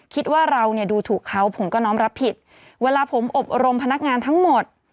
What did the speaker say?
คิดว่าเราเนี่ยดูถูกเขาผมก็น้อมรับผิดเวลาผมอบรมพนักงานทั้งหมด